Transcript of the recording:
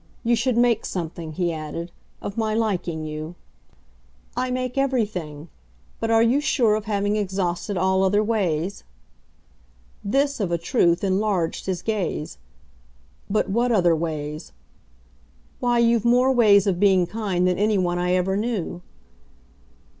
You should make something," he added, "of my liking you." "I make everything. But are you sure of having exhausted all other ways?" This, of a truth, enlarged his gaze. "But what other ways?" "Why, you've more ways of being kind than anyone I ever knew."